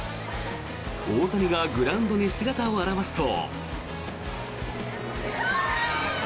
大谷がグラウンドに姿を現すと。